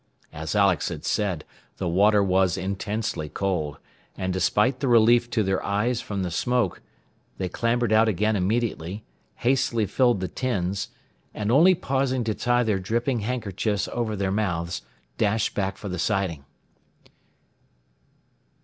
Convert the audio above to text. As Alex had said, the water was intensely cold, and despite the relief to their eyes from the smoke, they clambered out again immediately, hastily filled the tins, and only pausing to tie their dripping handkerchiefs over their mouths, dashed back for the siding.